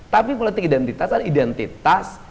tapi politik identitas adalah identitas